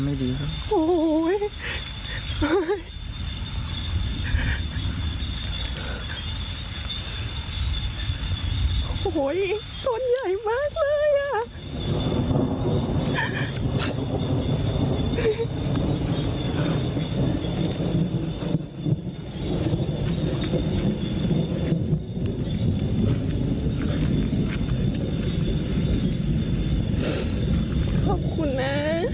ขอบคุณนะขอบคุณนะพ่อหมอนแม่หมอนขอบคุณนะ